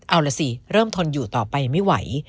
เอาล่ะสิเริ่มทนอยู่ต่อไปไม่ไหว